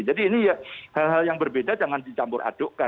jadi ini ya hal hal yang berbeda jangan dicampur adukkan